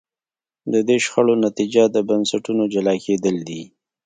د دې شخړو نتیجه د بنسټونو جلا کېدل دي.